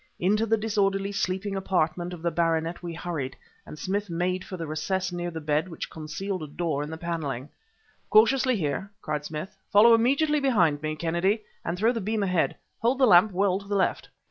Into the disorderly sleeping apartment of the baronet we hurried, and Smith made for the recess near the bed which concealed a door in the paneling. "Cautiously here!" cried Smith. "Follow immediately behind me, Kennedy, and throw the beam ahead. Hold the lamp well to the left."